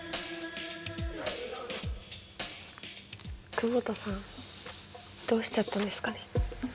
久保田さんどうしちゃったんですかね。